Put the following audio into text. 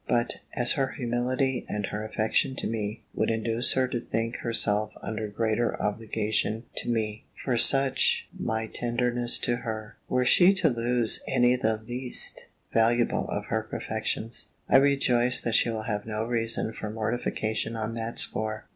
But, as her humility, and her affection to me, would induce her to think herself under greater obligation to me, for such my tenderness to her, were she to lose any the least valuable of her perfections, I rejoice that she will have no reason for mortification on that score.